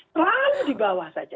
terang di bawah saja